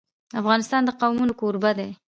افغانستان د قومونه کوربه دی.